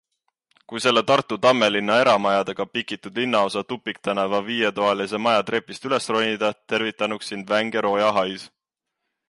Kui selle Tartu Tammelinna eramajadega pikitud linnaosa tupiktänava viietoalise maja trepist üles ronida, tervitanuks sind vänge roojahais.